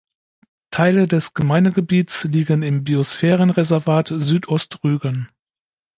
Teile des Gemeindegebiets liegen im Biosphärenreservat Südost-Rügen.